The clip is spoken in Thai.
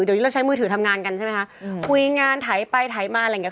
เดี๋ยวนี้เราใช้มือถือทำงานกันใช่ไหมคะคุยงานไถไปไถมาอะไรอย่างเง